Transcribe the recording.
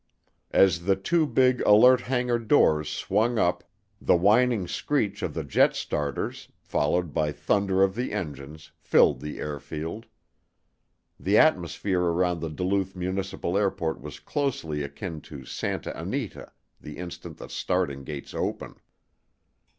As the two big alert hangar doors swung up the whining screech of the jet starters, followed by thunder of the engines, filled the airfield. The atmosphere around the Duluth Municipal Airport was closely akin to Santa Anita the instant the starting gates open.